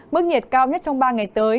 mức nhiệt cao nhất trong ba ngày tới